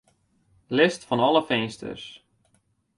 List fan alle finsters.